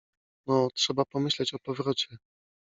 — No, trzeba pomyśleć o powrocie.